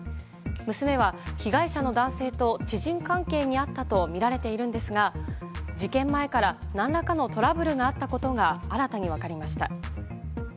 娘は被害者の男性と知人関係にあったとみられているんですが事件前から何らかのトラブルがあったことが新たに分かりました。